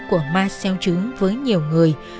của ma gieo chứ với nhiều người